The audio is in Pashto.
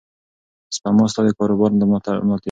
سپما ستا د کاروبار د ملا تیر دی.